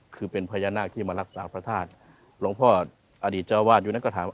คือเป็นพญานาคที่มารักษาพระธาตุหลวงพ่ออดีตเจ้าวาดอยู่นั้นก็ถาม